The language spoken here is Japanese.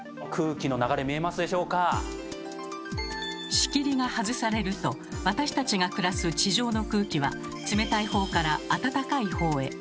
仕切りが外されると私たちが暮らす地上の空気は冷たいほうからあたたかいほうへ。